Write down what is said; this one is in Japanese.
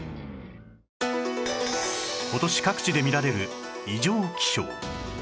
今年各地で見られる異常気象